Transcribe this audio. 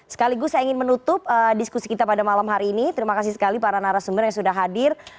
sekaligus saya ingin menutup diskusi kita pada malam hari ini terima kasih sekali para narasumber yang sudah hadir